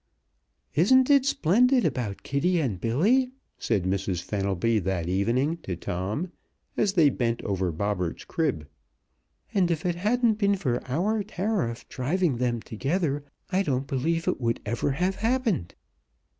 "Isn't it splendid about Kitty and Billy?" said Mrs. Fenelby that evening to Tom, as they bent over Bobberts' crib. "And if it hadn't been for our tariff driving them together I don't believe it would ever have happened."